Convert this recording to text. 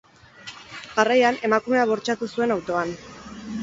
Jarraian, emakumea bortxatu zuen autoan.